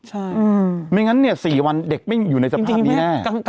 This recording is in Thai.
ใช่ไม่งั้นเนี่ย๔วันเด็กไม่อยู่ในสภาพนี้แน่